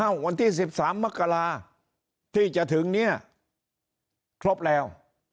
วันที่๑๓มกราที่จะถึงเนี่ยครบแล้ว